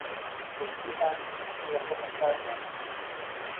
دەچوو ئاوی لە شیوەکە دەخواردەوە